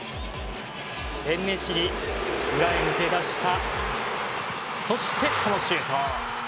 エン・ネシリが裏へ抜け出したそして、シュート。